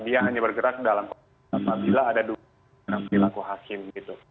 tapi dia hanya bergerak dalam konteks itu apabila ada dukungan dalam perilaku hakim gitu